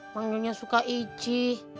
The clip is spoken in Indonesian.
manggilnya suka ici